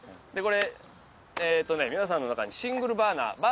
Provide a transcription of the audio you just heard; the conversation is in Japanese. これえーっとね皆さんの中にシングルバーナー。